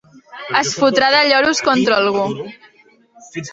Es fotrà de lloros contra algú.